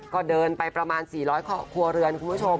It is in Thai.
ก็เดินไปประมาณ๔๐๐ครัวเรือนคุณผู้ชม